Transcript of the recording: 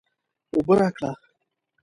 اوبه راکړه